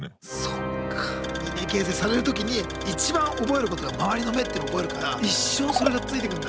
そっか人間形成される時に一番覚えることが周りの目っていうの覚えるから一生それがついてくんだ。